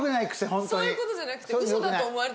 ホントにそういうことじゃなくて。